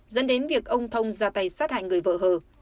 dẫn đến việc ông thông ra tay sát hại người vợ hờ